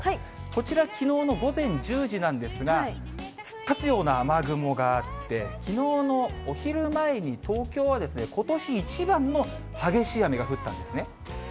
こちら、きのうの午前１０時なんですが、な雨雲があって、きのうのお昼前に、東京はですね、ことし一番の激しい雨が降ったんですね。